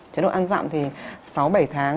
chế độ ăn dặm thì sáu bảy tháng